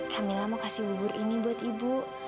kak mila mau kasih bubur ini buat ibu